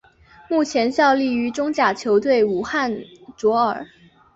目前效力于中甲球队武汉卓尔。